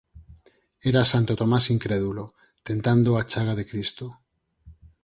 Era santo Tomás incrédulo, tentando a chaga de Cristo.